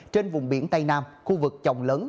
trên vùng biển tây nam khu vực chồng lớn